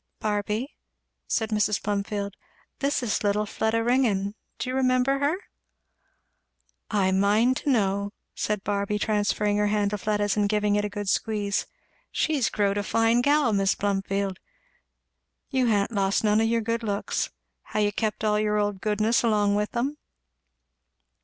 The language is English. "Barby," said Mrs. Plumfield, "this is little Fleda Ringgan do you remember her?" "I 'mind to know!" said Barby, transferring her hand to Fleda's and giving it a good squeeze. "She's growed a fine gal, Mis' Plumfield. You ha'n't lost none of your good looks ha' you kept all your old goodness along with 'em?"